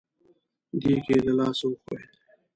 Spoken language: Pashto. دېګ يې له لاسه وښوېد.